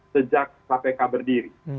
sejak kpk berdiri